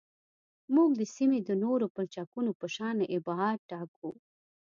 موږ د سیمې د نورو پلچکونو په شان ابعاد ټاکو